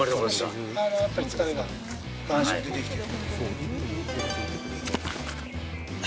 やっぱり疲れが下半身に出てきている。